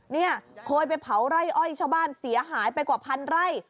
เนี่ยเคยไปเผาไร่อ้อยชาวบ้านเสียหายไปกว่าพันไร่